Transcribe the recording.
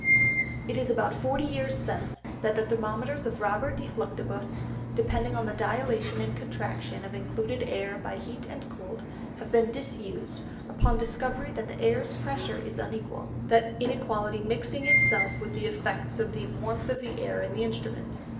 It is about forty Years since, that the Thermometers of Robert de Fluctibus, depending on the Dilatation and Contraction of included Air by Heat and Cold, have been disused, upon discovery that the Airs pressure is unequal; that inequality mixing it self with the Effects of the warmth of the Air in that Instrument.